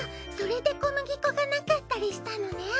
それで小麦粉がなかったりしたのね。